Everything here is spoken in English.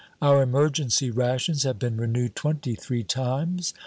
Our emergency rations have been renewed twenty three times.